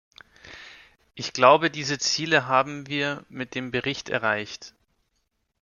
Ich glaube, diese Ziele haben wir mit dem Bericht erreicht.